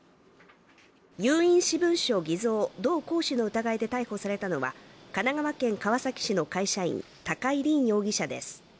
有印私文書偽造・同行使の疑いで逮捕されたのは神奈川県川崎市の会社員高井凜容疑者です。